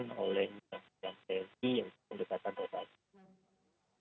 diperhatikan oleh yang pendekatan terhadap